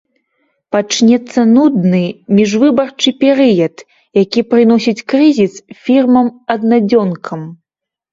Пачнецца нудны міжвыбарчы перыяд, які прыносіць крызіс фірмам-аднадзёнкам.